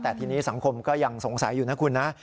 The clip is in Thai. แต่ทีนี้สังคมก็ยังสงสัยอยู่นะคุณนะ